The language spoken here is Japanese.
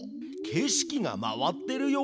景色が回ってるよ？